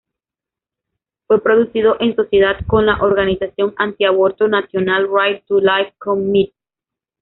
Fue producido en sociedad con la organización anti aborto National Right to Life Committee.